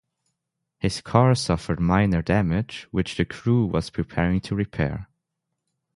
His car suffered minor damage, which the crew was preparing to repair.